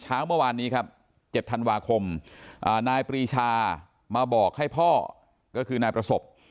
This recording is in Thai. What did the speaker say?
เช้าเมื่อวานนี้ครับ๗ธันวาคมนายปรีชามาบอกให้พ่อก็คือนายประสบ